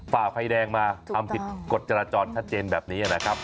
ฝ่าไฟแดงมาทำผิดกฎจราจรชัดเจนแบบนี้นะครับ